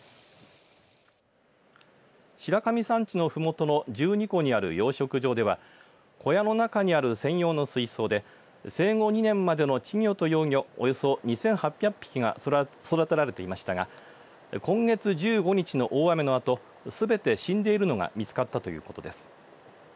白神山地のふもとの十二湖にある養殖場では小屋の中にある専用の水槽で生後２年までの稚魚と幼魚およそ２８００匹が育てられていましたが今月１５日の大雨のあとすべて死んでいるのが見つかったということです。